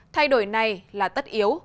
thay đổi này là tất yếu